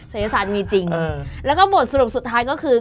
ศัยศาสตร์มีจริงแล้วก็บทสรุปสุดท้ายก็คือ